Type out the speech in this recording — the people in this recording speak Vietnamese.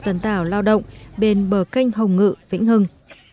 dần tạo lao động bên bờ kênh hồng ngự vĩnh hưng